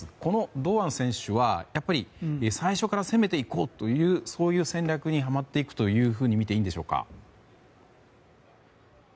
堂安選手は最初から攻めていこうというそういう戦略にはまっていくとみていいんでしょうか？